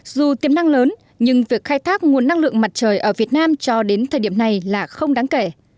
dù tiềm năng lớn nhưng việc khai thác nguồn năng lượng mặt trời ở việt nam cho đến thời điểm này là không đáng kể